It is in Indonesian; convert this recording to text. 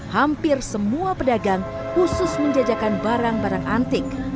hampir semua pedagang khusus menjajakan barang barang antik